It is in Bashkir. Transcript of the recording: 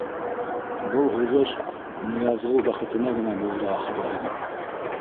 — Был һуғыш Ныязғол бәхетенә генә булды, ахырыһы.